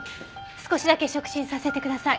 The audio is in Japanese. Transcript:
少しだけ触診させてください。